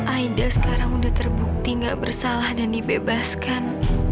aida sekarang sudah terbukti gak bersalah dan dibebaskan